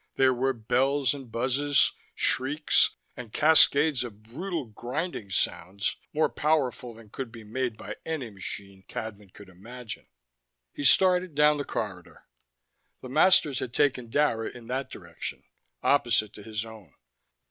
There were bells and buzzes, shrieks and cascades of brutal, grinding sounds more powerful than could be made by any machine Cadnan could imagine. He started down the corridor: the masters had taken Dara in that direction, opposite to his own.